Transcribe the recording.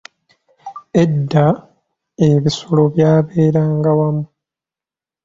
Edda, ebisolo byaberanga wamu.